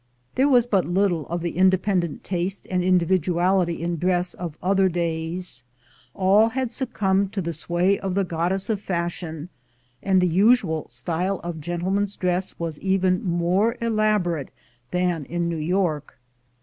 There was but little of the independent taste and Individuality in dress of other days; all had succumbed to the sway of the goddess of fashion, and the usual style of gentleman's dress was even more elaborate than in New York.